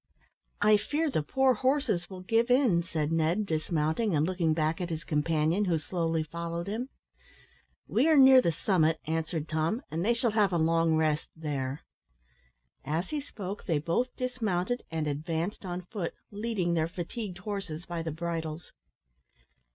"I fear the poor horses will give in," said Ned, dismounting and looking back at his companion, who slowly followed him. "We are near the summit," answered Tom, "and they shall have a long rest there." As he spoke, they both dismounted and advanced on foot, leading their fatigued horses by the bridles.